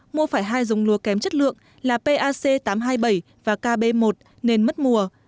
hai giống lúa kém chất lượng là pac tám trăm hai mươi bảy và kb một nên mất mùa